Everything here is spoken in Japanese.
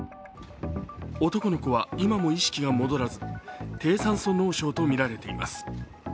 男の子は今も意識が戻らず低酸素脳症とみられています。